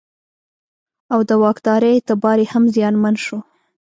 او د واکدارۍ اعتبار یې هم زیانمن شو.